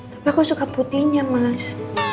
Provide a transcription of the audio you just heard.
tapi aku suka putihnya mas